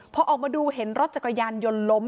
พอออกมาดูเห็นรถจักรยานยนต์ล้ม